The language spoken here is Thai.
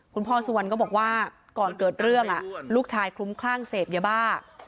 คุณพ่อสุวรรณก็บอกว่าก่อนเกิดเรื่องลูกชายคลุ้มคลั่งเสพยาบ้า